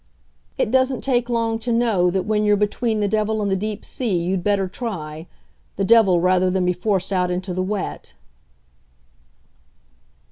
"It doesn't take long to know that when you're between the devil and the deep sea, you'd better try the devil rather than be forced out into the wet."